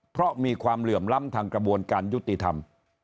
เพราะมีความเหลื่อมล้ำทางกระบวนการยุติธรรม